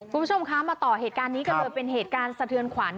คุณผู้ชมคะมาต่อเหตุการณ์นี้กันเลยเป็นเหตุการณ์สะเทือนขวัญ